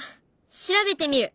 調べてみる。